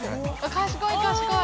賢い賢い。